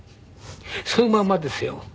そのまんまですよ。